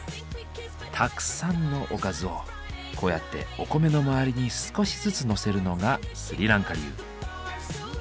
たくさんのおかずをこうやってお米の周りに少しずつのせるのがスリランカ流。